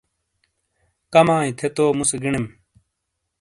کمائی تھے تو مُسے گِنیم۔